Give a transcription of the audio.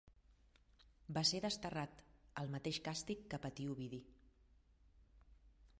Va ser desterrat, el mateix càstig que patí Ovidi.